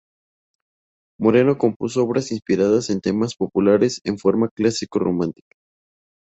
Moreno compuso obras inspiradas en temas populares en forma clásico romántica.